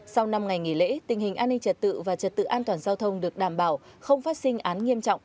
sau năm ngày nghỉ lễ tình hình an ninh trật tự và trật tự an toàn giao thông được đảm bảo không phát sinh án nghiêm trọng